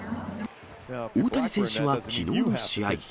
大谷選手はきのうの試合。